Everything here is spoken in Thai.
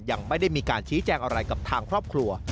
ยังไม่ได้มีการชี้แจงอะไรกับทางครอบครัว